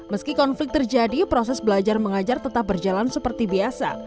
meski konflik terjadi proses belajar mengajar tetap berjalan seperti biasa